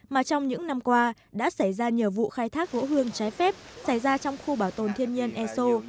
mà trong những năm qua đã xảy ra nhiều vụ khai thác gỗ hương trái phép xảy ra trong khu bảo tồn thiên nhiên e sô